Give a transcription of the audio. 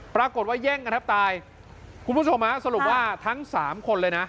ปรากฏว่าแย่งกันแทบตายคุณผู้ชมฮะสรุปว่าทั้งสามคนเลยนะ